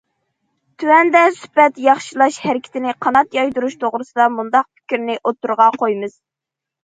تۆۋەندە سۈپەت ياخشىلاش ھەرىكىتىنى قانات يايدۇرۇش توغرىسىدا مۇنداق پىكىرنى ئوتتۇرىغا قويىمىز.